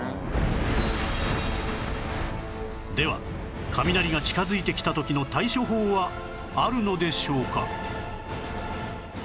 では雷が近づいてきた時の対処法はあるのでしょうか？